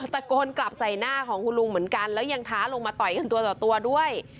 ตะโกนกลับใส่หน้าของคุณลุงเหมือนกันแล้วยังท้าลงมาต่อยกันตัวต่อตัวด้วย